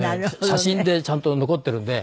写真でちゃんと残ってるんで。